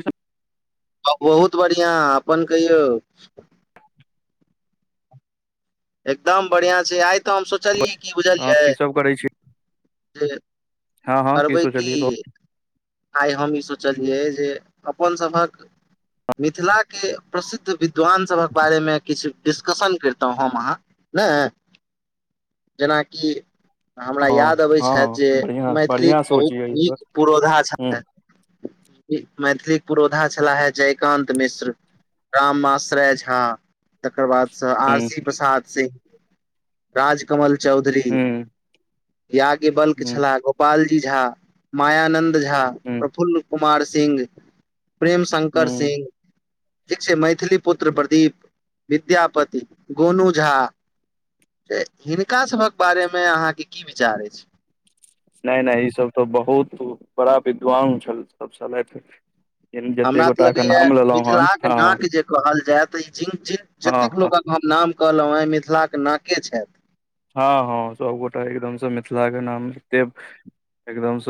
[inaudible] बहुत बढ़िआं अपन कहिय एकदम बढ़िया छै आइ तऽ हम सोचलियै की हँ बुझलियै की सब करै छी ज हँ हँ करबै की सोचलियै कहु आइ हम ई सोचलियै जे अपन सभ मिथिला के प्रसिद्ध बि विद्वान सभक बारे मे किछु डिस्कशन करितहुं हम अहाँ न जेनाक हमरा हँ याद अबैत हँ छथि जे हँ बढ़िआँ मैथिलीक बढ़िआँ सोच बहुत यै ई बात नीक पुरोधा हूँ छथ मैथिलीक पुरोधा छलाहे जयकानं मिश्र राम मशरय झा तकर बा स आर हूँ सी प्रसाद सिंह राजकमल चौधर हूँ याज्ञ बिल्कूल हूँ छलाह गोपालजी झा मायानन्द झा हूँ प्रफुल्ल कुमार सिंह प्रेम शंकर हूँ सिह ठीक छै मैथिली पुत्र प्रदीप विद्यापति गोन झा हिनका सभक बारेमे हाँके की विचार अछि नहि नहि ई सब तऽ बहुत बड़ा विद्वान छल छलथ हमरा तऽ लगैया हन मिथिलाक हँ नाक जे कहल जाय त ई हँ जतेक हँ लोक हम नाम कहलहुँं आ मिथिलाक के नाके छथ हँ हँ सबगोटा एकदमसँ मिथिला के नाम एते एकदमस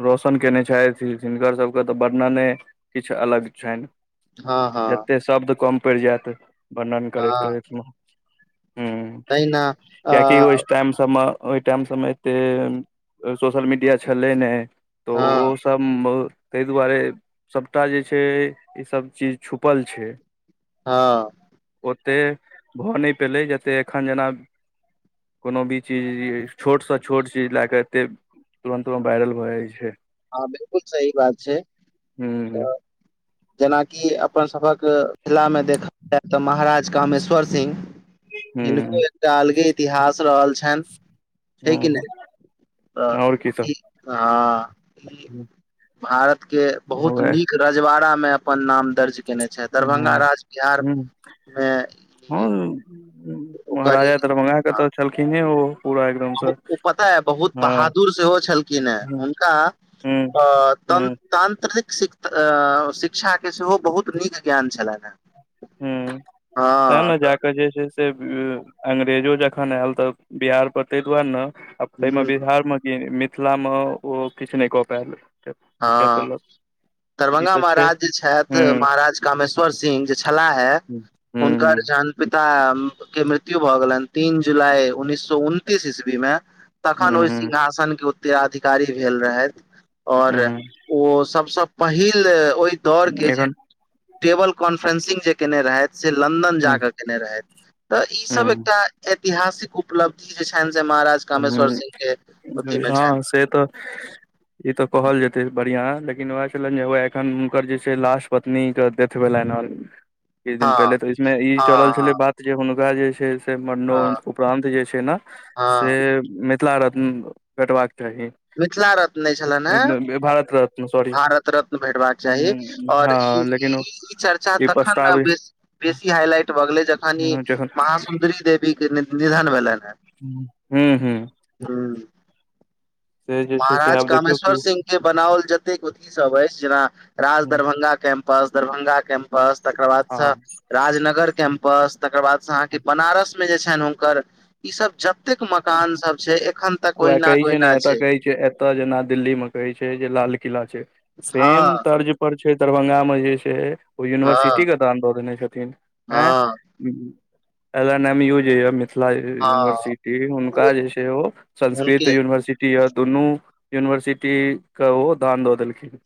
रौशन केने छथि हिनकर सबके तऽ वर्णने किछु अलग छनि हँ हँ जते शब्दकम पड़ जायत वर्णन करैत हँ करैतमे हूँ तहिना। अ, किएकि ओइ टाइम सभमे ओइ टाइम सभमे एतेक सोशल मीडिया छलै नइ। तऽ हँ ओ सभ ताहि दुआरे। सभटा जे छै ईसभ चीज छुपल छै। हँ। ओते भऽ नहि पेलै जे एखन जेना। कोनो भी चीज छोटसँ छोट चीज लए कऽ एतेक। तुरन्तुरत वायरल भऽ जाइ छै। हँ, बिल्कूल सही बात छै। हू। जेनाकि अपन सभक मिथिलामे देखल जाय तऽ महाराज कामेश्वर सिंह। हिनको हूँ एकटा अलगे इतिहास रहल छनि। छै की हूँ नहि त आओर की ई सब हँ भारतके बहुत हौवे नीक। रजवाड़ामे अपन नाम दर्ज कयने छथि दरभंगा हूँ राज हूँ बिहारमे। हँ, ई महाराजा दरभंगाके हँ तऽ छलखिन हे ओ पूरा। एकदमसँ ओ पता है बहुत हँ बहादुर सेहो छलखिन है हूँ हुनका। हूँ आ तन। हूँ तत्रिक शिक्षाके सेहो बहुत नीक ज्ञान छलनि हैं। हु तऽ ने जा कऽ जे छै। से अंग्रेजो जखन आयल तऽ बिहार पर ताहि दुआरे ने। तैमे हम्म, बिहारमे कि मिथिलामे, ओ किछु नि कऽ पाएल। हँ, ई दरभंगा तऽ छै महाराज जे छेथ, हूं महाराज कामेश्वर सिंह जे छथि। छला है, हूं हूं हुनकर जन। पिताके मृत्यु भऽ गेलनि तीन जुलाई उन्नीस सए उनतीस ईस्वी मे। तखन हूं ओइ हूं सिंहासनके उत्तेराधिकारी भेल रहथि। और हूं ओ सभसे पहिल ओइ दौड़के जे। एखन टेबल कॉन्फ्रेंसिंग जे कयने रहथि से लन्दन जा हूं कऽ कयने रहथि। तऽ ई सभ हूं एकटा ऐतिहासिक उपलब्धि जे छन से महाराज कामेश्वर हूँ सिंह के अथी मे हा छनि से तऽ। ई तऽ कहल जेतै बढ़िया, लेकिन उएह छलनि जे ओ एखन हुनकर जे छै, लास्ट पत्नीके डेथ भेलनि ह। किछु दिन हँ पहिले तऽ इसमे ई चलल हँ छलै हँ बात। जे हुनका जे छै, से मरनो हँ उपरान्त जे छै, ने से हँ मिथिला रत्न कटबाक चाही। मिथिला रत्न नहि छलनि हे भारत रत्न सॉरी भारत रत्न भेटबाक चाही हूँ आओर ई। हँ लेकिन ओ ई चर्चा ई तखन ने प्रस्ताव बेसी हाइलाइट भऽ गेलै जखन जखन महा सुन्दरी देवी। के निधन भेलनि। हू, हू। हू। जे छै से महाराज आब देखियौ कामेश्वर कि सिंह के बनाओल जतेक अथी सभ अछि जेना राज हँ दरभंगा कऽ बस दरभंगा कैम्पस तकर बादसँ। राजनगर कैम्पस तकर बाद से अहाँकेँ बनारस मे जे छनि हुनकर ईसभ जब। कतेक मकान सभ छै, एखन तक ओहिना के ओहिना छै। ए जेना दिल्लीमे कहै छै लाल किला छै, सेम हँ तर्ज पर। पर छै, दरभंगामे जे छै। ओ हँ यूनिवर्सिटीके दान दऽ देने छथिन ह हँ एल एन एम यू जे। मिथिला हँ यूनिवर्सिटी हुनका जे छै ओ संस्कृत हुनके यूनिवर्सिटी। य दुनू यूनिवर्सिटीके ओ दान दऽ देलखिन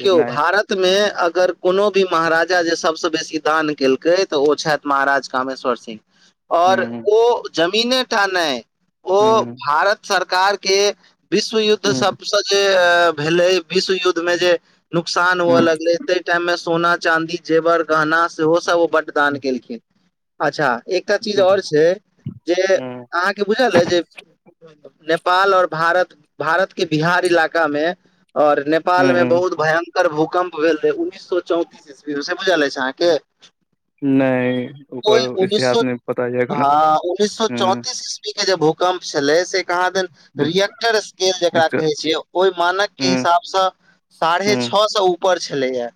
जे नहि भारत। मे अगर कोनो भी महाराजा जे सभस बेसी दान केलकै तऽ ओ छथि। महाराज कामेश्वर सिंह और हूं ओ जमीने ठाना ओ हूं भारत सरकार के विश्व युद् हूं जे भेलै विश्व युद्ध मे जे नुकसान हूं हुअ लगल तै टाइम मे सोना चाँदी जेवर गहना सेहो सब ओ बड्ड दान केलखि अच्छा एकटा चीज हूं हूं आओर छै जे अहाँके बुझल अइ ज नेपाल और भारत भारत के बिहार इलाका मे और न नेपाल हूं में बहुत हूं भयंकर भूकम्प भेल रहे उन्नैस सए चौंतीस ईस्वी मे से बुझल अछि अहाँक नहि कोइ ओकर उन्नीस इतिहास सौ नहि पता य एखन हँ उन्नीस सौ हूं चौतीस ई के जे भूकम्प छलै ज कहाँ देन हूं रिए्टर स्केल जेकरा कहे छिय ओहि मानक के हूं हिसाब स साढ़े हूं छओ स ऊपर छलैए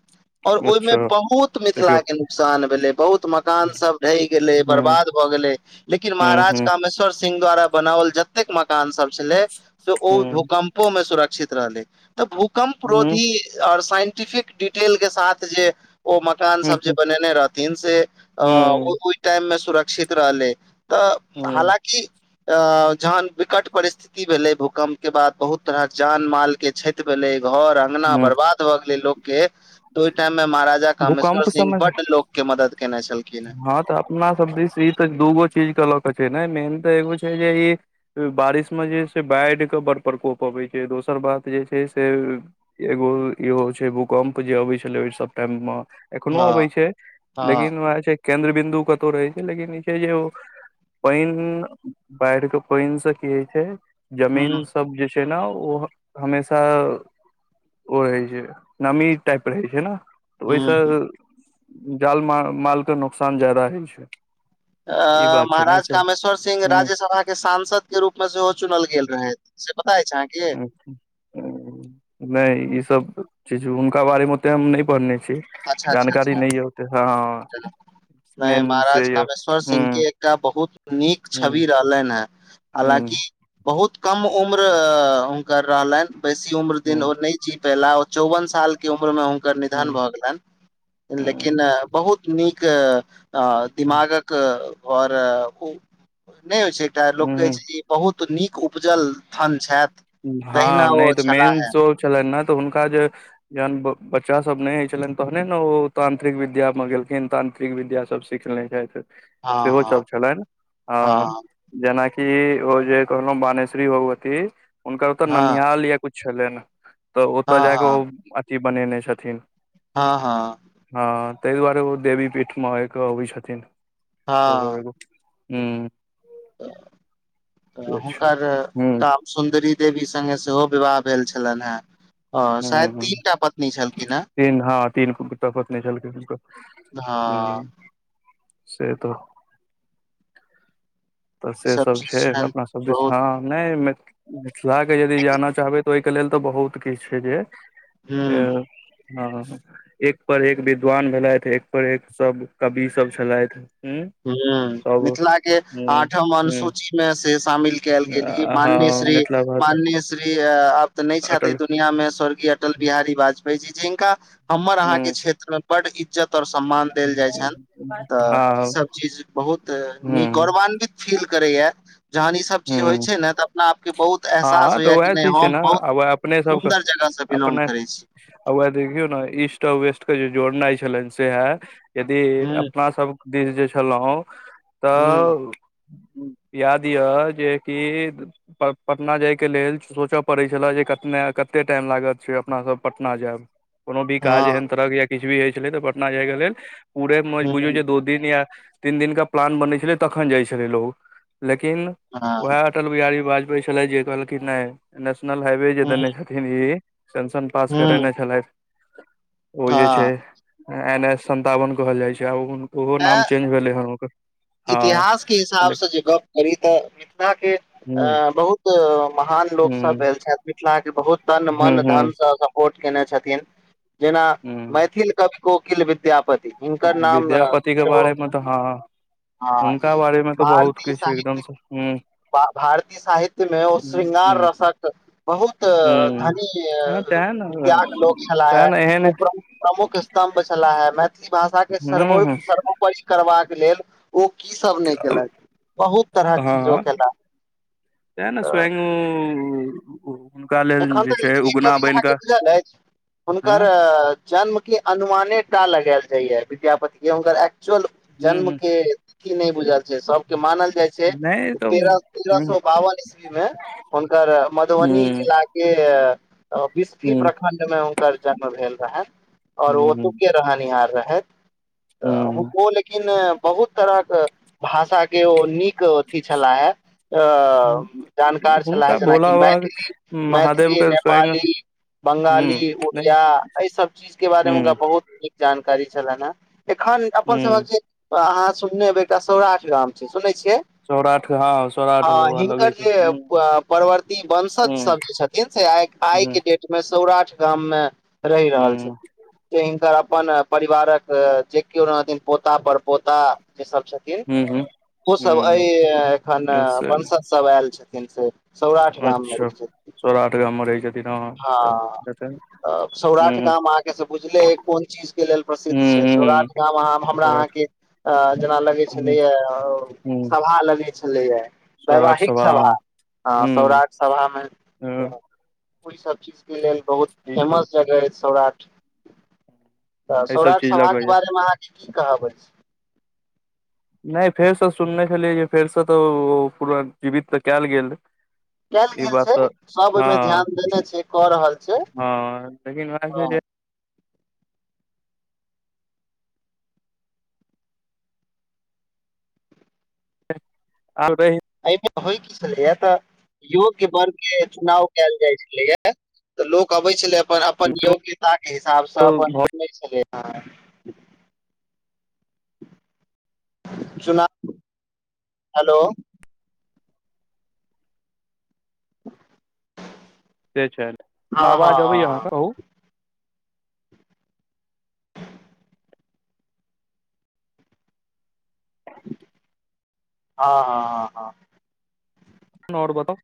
और ओहिमे अच्छा बहुत देखियौ मिथिला के नुकसान भेले बहुत मकान सब ढहि गेले हूं बर्बाद भए गेल लेकिन हूं महाराज हूं कामेश्व सिंह द्वारा बनाओल जतेक मकान सब छलै से ओ हूं भूकम् मे सुरक्षित रहलै तऽ भूकम्प हूं रोधी आऔर साइन्टिफि डिटेल के साथ जे ओ मकान हूं सब जे बनेने रहथिन से हूं टाइम मे सुरक्षित रहलै तऽ हूं हालकि अ जहन विकट परिस्थित भेलै भूकम्प के बाद बहुत तरह जान माल के क्षति भेलै घर अंगना हूं बर्बाद भ गेले लोक के त ओइ टाइम में महाराजा कामेश्वर भूकम्प सिंह समय बड् लोक के मदद केनाइ छ हँ तऽ अपना सब दिस ई तऽ दूगो चीज के लऽ के छै ने मेन तऽ एगो छै जे बारिशमे जे छै से बाढ़िके बड़ प्रकोप अबैत छै दोसर बात जे छै स एगो इहो छै भूकम्प जे अबै छलै ओहि सब टाइम मेँ एखनो अबै हँ छै हँ लेकिन वह छै केन्द्र बिन्दु कतौ रहै छै लेकिन ई छै जे पानि बाढ़ि के पानि से की होइ छै जमी हुँ सब जे छै ने ओ हमेश ओ रहै छै नमी टाइप रहै छै न तऽ हुँ ओहिसँ हुँ। जाल मालके नोककसान जादा होइ छ अ महाराज कामेश्वर सिंह हूँ राज्यसभा के सांस के रूप मे सेहो चुनल गेल रहै से पता अछि छै अहाँक हूँ नहि ई सब चीज हुनका बारे मे ओते हम नहि पढ़न छी अच्छा अच्छा जानकारी नइ ओते ह नहि महाराज कामेश्वर सिंह के एकटा बहुत नीक हूँ छवि रहलनि हे हलााँकि हूँ बहुत कम उम्र हुनकर रहलनि बेसी उम्र दिन ओ हूँ नह कि पायला चौवन साल के उम्र मे हुनकर निधन हूँ भऽ गैलेन लेकि हूँ बहुत नीक द आओर ओ नहि होइ छै एकटा लोक हूँ कहै हूँ। ल बहुत नीक उपजल स्थन छथ हँ नइ तऽ मेन शो छलनि ने तऽ हुनका ज जहन बच्चा सब नहि होय छलैन तहने ने ओ तांत्रिक विद्या में गेलखिन तांत्रिक विद्या सब स सीखने छथि सेहो हँ सब छलनि हँ जेनाकि ओ जे कहलहु बानेश्वरी भगवती हुनकर ओतऽ हँ ननिहाल य कुछ छलै न तऽ ओतऽ हँ जाकेऽ हँ ओ अथी बनेने छथि हँ ह हँ ताहि दुआरेओ देवी पीठमे एक अबै छथिन ओ एगो हू त तऽ हुनकर हूँ सुन्दरी देवी सङ्गे सेहो विवाह भेल छलनि हे हा हूँ शायद हूँ तीन टा पत्नी छलखिन ह तीन हँ तीन तपत नहि छलकैो हँ ह से त तऽ ई से सब चीज छै छनि अपना सब दि बहुत नहि मि मिथिलाे यदि जाना चाहबै तऽ ओहिके लेल तऽ बहुत किछु छै ज हूं आ एक पर एक विद्वान भेलथि एक पर एक सब कवि सब छलथि ह सब मिथिला के हूँ आठम हूँ अनुसूची मे से शामि कयल गेल अ, मान्य हँ श्री मिथिला भाषा मान्य श्री आब तऽ नहि छथि अटल दुनिया मे स्वर्गीय अटल बिहारी वाजपेयी जी ज हिनक हमर अहाँ के हूँ क्षेत्र में बड इज्जत और सम्मान देल जाय छनि त हँ इ स चीज बहुत न हूँ गौरवान्वित फील करै जहन ईसभ चीज होइ हूँ छै ने तऽ अपना आपके बहुत एहसास हँ तऽ होइया कि उएह नहि चीज छै हम ने बहु आ वएह अपने सबके सुन्दर जगह से बिलोंग अपने करै छ आ उएह देखियौ ने ईस्ट आ वेस्ट के जे जोड़नाइ छलनि से ह यदि हूँ अपना सब दिस जे छलहुँ हूँ त याद य जे क पटना जायके लेल सोचय पड़ैत छलए जे कतना कतेक टाइम लागत छै अपनासभ पटना जाय कोनो भी काज हँ एहन तरहक या किछु भी होइ छलै तऽ पटना जायके लेल पूरे हूँ बुझू जे द हँ प् त अटल बिहारी वाजपेयी छलेथ जे कहलखिन नइ नेशनल हाईवे जे हूँ देने छथिन ई सेशं पास हूँ करेने छलथ ओ जे छै हँ एन एस सन्तावन कहल जाइ छै आ ओहो नाम चेंज भेलै हक इतिहासके हिसाबसँ जे गप करी तऽ मिथिलाके हूँ बहु महान लोक सब हूँ भेल छथि मिथिला के बहुत तन हूँ मन हूँ धनस कोट केने छथिन जेना हूँ मैथिल कवि कोकिल विद्यापत हुनकर ना विद्यापति के बारे मे तऽ हँ हुनका बारे मे तऽ बहुत किछु एकदमसँ भारतीय साहित्य मे ओ श्रृंगार रस बहुत हूँ हँ तें ने धनीत्याग लोक छला तें हे ने एहन उप प्रमुख स्तम्भ छलाह हे मैथिली भाषा के हूँ सर्व हूँ सर्वोपरि करबाक ले ओ की सब नहि केलक बहुत तरहक ची त ने सय एखन तऽ एकटा चीज अहाँके बुझल अछि हुनक हँ जन्म के अनुमानेटा लगायल जाइया विद्यापति के हुनकर एकचुअल हूँ जन्म हूँ क की नइ बुझल छै सबके मानल जाइ छै नहि तऽ तेरह तेरह हूँ सौ बावन ईस्वी म हुनकर मधुबनी हूँ जिल केसफी हूँ प्रखं्ड में हुनकर जन्म भेल रहनि और हूं ओत हूं रहनिहार रहथ हुनको लेकिन बहुत तरह भाष के ओ नीक अथी छलाहे जानकार छलाह हुनका जेनाकि भोला बाबा मैथिली महादेव मैथिली के स्वयं नेपाली हूं बंगाली नहि उड़िया अइ सब चीजके बारेमे हुनका हूं बहु न जानकारी छलनि हेँ एखन अपन सभक हूं ज अहाँ सुननेब एकटा सौराठ गाम छी सुनै छिय सौराठ हँ सौराठ हँ बाबा लगै हिनकर छै जे हूं परवर्ती बंशत स हूं जे छथिन से आ आइ हूं के डेटमे सौराठ गामम रहि रहल हूं छथिन से हिनकर अप परिवारक जे केओ हथिन पोता पर पोता जे सब छथि हूं ओ सब अ हूं एखन हूं से वंशज सब आयल छथिन स अच्छा सोरा आठ गा म रहै छ हँ तऽ सौराठ हूं गाम अहाँके से बुझले कोन ची के लेल प्रसिद्ध छै हूं सौराठ हूं गामह हमरा सौराठ अहाँक आ जेना लगै हूं छलैए हूं सभा लगै छलै सौराठ वैवाहिक सभा हँ हँ हूं सौराट सभाम हूं ओइसभ चीज के लेल बहुत ई सब फेमस जगहअछि सौराठ तऽ एहि सब सौराष्ट चीज सभाक के लगैया बारेमे अहाँके की कहब नहि फेरसँ सुनने छलियै जे फेरसँ तऽ ओ पूरा जीवित तऽ कयल गे कयल ई गेल बात छै तऽ सब ओहिमे हँ ध्यान देने छै कऽ रहल छै हँ लेकिन वएह छै हँ ज आलद एहिमे होइ की छलैया तऽ योग्य वर्ग के चुनाव कयल जाय छलैय तऽ लोक अबै छलै अपन अपन योग्यताके हिसाबसँ अपन घर सुुनै छलै चना हेल से छै हँ हँ आवाज अबैय हँ अहाँके कह ह नोड़बत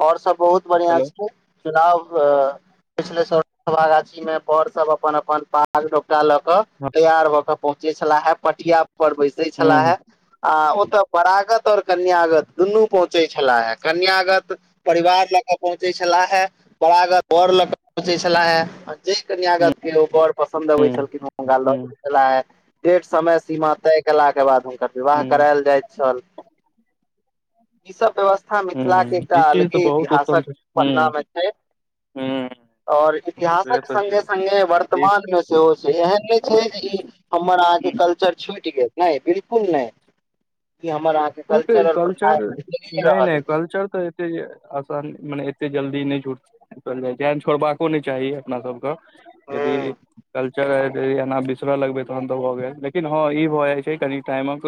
और सब बहुत बढ़िआं हेलो छ चुनाव पिछले साल साभागाछी मे वर सब अपन अपन आाग रा ल क हँ तैयार भऽ क पहुँचे छलाहे पटिया पर बैसे हूँ छलाह आ ओतय वरागत और कन्यागत दुनू पहुंचै छलाह कन्याग परिवार लऽ क पहुँचे छलाह हे बड़गर घर ल सोचै छला हे जे हूँ कन्यागत के ओ बड़ पसन्द अबै हूँ छलखि हूँ छला हे डेट समय सीमा तय केला के बाद हुनकर विवाह हूँ करायल जा तल ई सब व्यवस्था मिथिला क हूँ टा ई चीज तऽ अलगे बहुत उत्तम इतिहासक छै पढ़ना हूँ मे छ हूँ और से इतिहासक तऽ संगे छै संगगे वर्तमान मे सेहो छै एहन नहि छ बिलकुर ओते कल्चर नहि नहि कल्चर त एते आसान मने एते जल्दी नइ जाइ छै जेन छोड़बाको नइ चाही अपना सब क यदि अछि कल्च एना बिसरऽ लगबे तहन तऽ भऽ गेल लेकिन हँ ई भऽ जाय छै कनि टाइम म